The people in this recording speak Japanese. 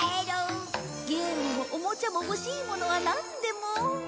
ゲームもおもちゃも欲しいものはなんでも。